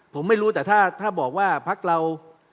ผมไม่รู้แต่ถ้าบอกว่าพักเรา